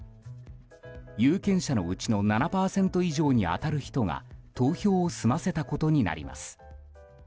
有権者のうちの７％以上に当たる人が投票を済ませたことになります。